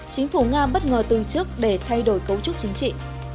chính phủ nga bất ngờ từ chức để thay đổi cấu trúc chính trị